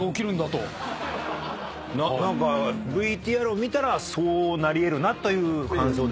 ＶＴＲを見たらそうなり得るなという感想ですよね。